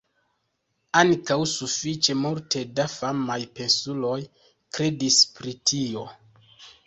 Ankaŭ sufiĉe multe da famaj pensuloj kredis pri tio.